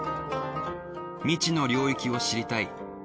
未知の領域を知りたい。